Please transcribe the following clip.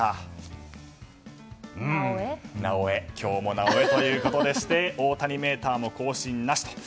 今日も「なおエ」ということでして大谷メーターも更新なしと。